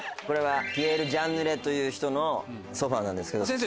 これはピエール・ジャンヌレという人のソファなんですけど。